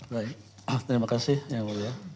baik terima kasih yang mulia